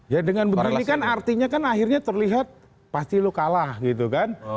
ya dengan begini kan artinya kan akhirnya terlihat pasti lo kalah gitu kan